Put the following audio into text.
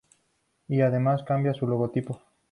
Y además cambian su logotipo.